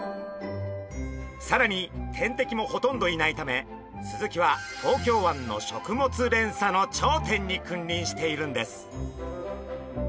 さらに天敵もほとんどいないためスズキは東京湾の食物連鎖の頂点に君臨しているんです。